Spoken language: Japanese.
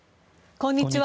こんにちは。